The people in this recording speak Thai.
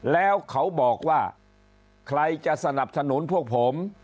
แล้วเขาบอกว่าใครจะสนับสนุนพวกผม